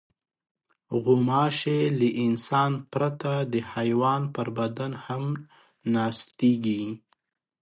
غوماشې له انسان پرته د حیوان پر بدن هم ناستېږي.